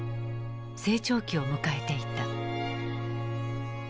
成長期を迎えていた。